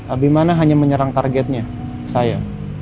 abimana hanya menyerang targetnya saya